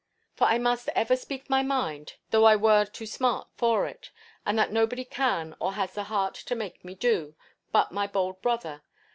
For I must ever speak my mind, though I were to smart for it; and that nobody can or has the heart to make me do, but my bold brother.